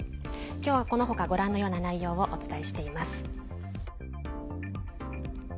今日はこの他ご覧のような内容をお伝えしています。